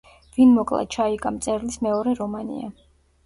ვინ მოკლა ჩაიკა მწერლის მეორე რომანია.